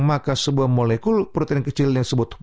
maka sebuah molekul protein kecil yang disebut